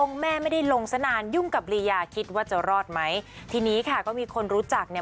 แม่ไม่ได้ลงสนานยุ่งกับลียาคิดว่าจะรอดไหมทีนี้ค่ะก็มีคนรู้จักเนี่ย